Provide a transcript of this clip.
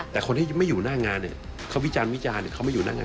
แต่คนที่ไม่อยู่หน้างานเนี่ยเขาวิจารณวิจารณ์เขาไม่อยู่หน้างาน